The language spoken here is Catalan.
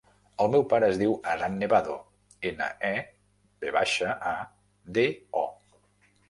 El meu pare es diu Adán Nevado: ena, e, ve baixa, a, de, o.